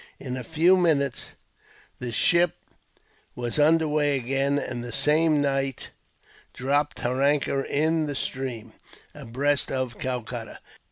In a few minutes, the ship was under way again, and the same night dropped her anchor in the stream, abreast of Calcutta.